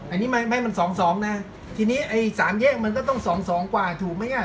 อันนี้ไม่มันสองสองนะทีนี้ไอ้สามแยกมันก็ต้องสองสองกว่าถูกไหมอ่ะ